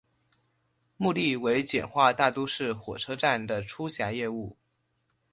目的为简化大都市火车站的出闸业务。